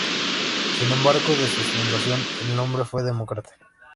Sin embargo en su fundación el nombre fue "Demócrata".